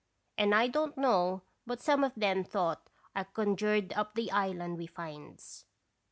And I don't know but some of 'em thought I con jured up the island we finds.